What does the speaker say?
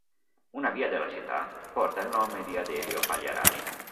Una via della città porta il nome di Adelio Pagliarani.